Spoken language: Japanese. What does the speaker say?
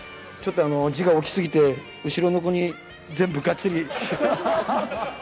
ちょっと字が大きすぎて、後ろの子に、全部がっつり。